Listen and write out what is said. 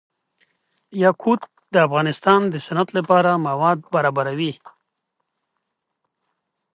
یاقوت د افغانستان د صنعت لپاره مواد برابروي.